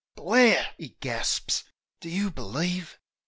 "Blair!" he gasps. "Do you believe?